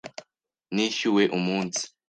Nishyuwe umunsi.